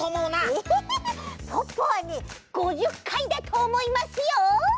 えポッポはね５０かいだとおもいますよ！